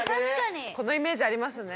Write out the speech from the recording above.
このイメージありますね。